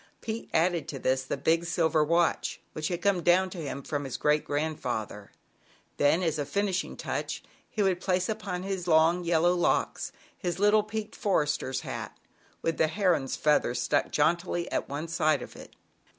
Pete added to this the big silver watch which had come down to him from his great grandfather; then, as a finishing touch, he would place upon his long, yellow locks, his little peaked Forester's hat, with the heron's feather stuck jauntily at one side of it.